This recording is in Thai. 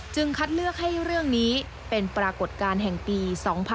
คัดเลือกให้เรื่องนี้เป็นปรากฏการณ์แห่งปี๒๕๖๒